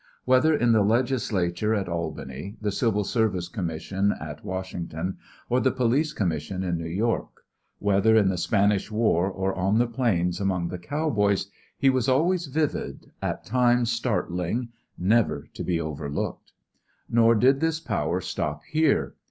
Whether in the legislature at Albany, the Civil Service omission at Washington, or the police commission in New York, whether in the Spanish War or on the plains among the cowboys, he was always vivid, at times startling, never to be overlooked. Nor did this power stop here.